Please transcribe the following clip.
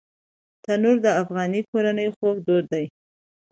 تنور د افغاني کورنۍ خوږ دود دی